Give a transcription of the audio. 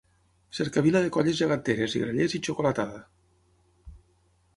Cercavila de colles geganteres i grallers i xocolatada.